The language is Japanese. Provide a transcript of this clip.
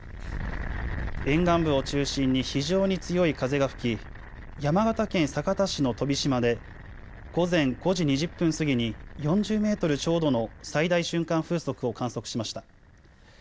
沿岸部を中心に非常に強い風が吹き山形県酒田市の飛島で午前５時２０分過ぎに４０メートルちょうどの最大瞬間風速を観測しました。